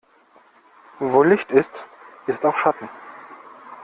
Wo Licht ist, ist auch Schatten.